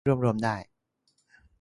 เท่าที่รวบรวมได้